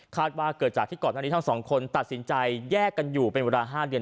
ว่าเกิดจากที่ก่อนหน้านี้ทั้งสองคนตัดสินใจแยกกันอยู่เป็นเวลา๕เดือน